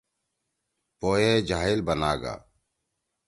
پو ئے جاہل بنا گا۔